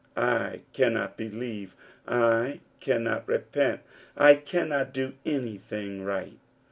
I cannot believe ; I cannot repent ; I cannot do anything aright